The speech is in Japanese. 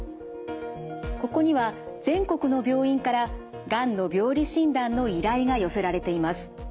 ここには全国の病院からがんの病理診断の依頼が寄せられています。